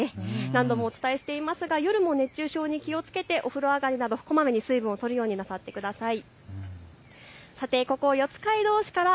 何度もお伝えしていますが夜も熱中症に気をつけてお風呂あがりなどこまめに水分をとるようになさってください。